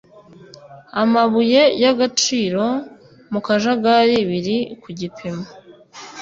amabuye y agaciro mu kajagari biri ku gipimo